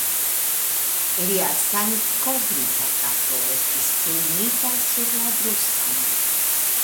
Lia sangkovrita kapo estis klinita sur la bruston.